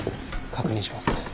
確認します。